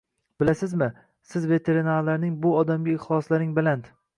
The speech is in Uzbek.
Bilamiz, siz veteranlarning bu odamga ixlosinglar baland.